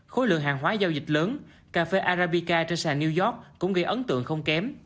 khối lượng hàng hóa giao dịch lớn cà phê arabica trên sàn new york cũng gây ấn tượng không kém